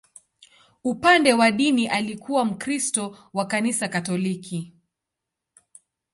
Upande wa dini, alikuwa Mkristo wa Kanisa Katoliki.